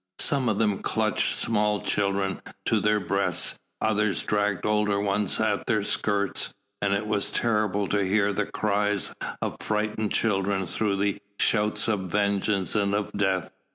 Some of them clutched small children to their breasts, others dragged older ones at their skirts, and it was terrible to hear the cries of frightened children through the shouts of vengeance and of death.